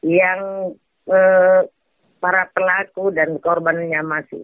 yang para pelaku dan korbannya masih